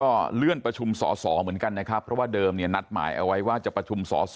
ก็เลื่อนประชุมสอสอเหมือนกันนะครับเพราะว่าเดิมเนี่ยนัดหมายเอาไว้ว่าจะประชุมสอสอ